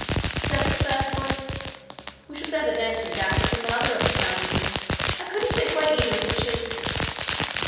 said the first voice, which was evidently that of the mother of the family. 'I can't think why either of them should.'